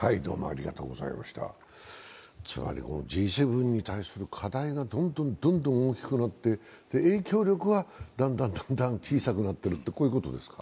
つまりＧ７に対する課題がどんどん大きくなって影響力はだんだんだんだん小さくなっているとこういうことですか。